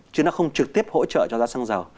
chứ nó không trực tiếp hỗ trợ cho giá xăng dầu